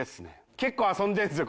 結構遊んでるんですよ